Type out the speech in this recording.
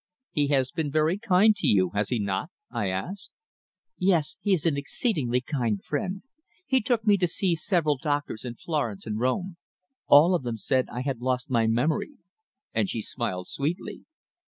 "He has been very kind to you has he not?" I asked. "Yes. He is an exceedingly kind friend. He took me to see several doctors in Florence and Rome. All of them said I had lost my memory," and she smiled sweetly.